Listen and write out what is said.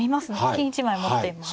金１枚持っています。